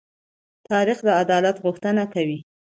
تاریخ د عدالت غوښتنه کوي.